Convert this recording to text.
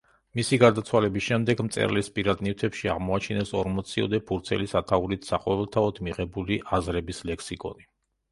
მისი გარდაცვალების შემდეგ მწერლის პირად ნივთებში აღმოაჩინეს ორმოციოდე ფურცელი სათაურით „საყოველთაოდ მიღებული აზრების ლექსიკონი“.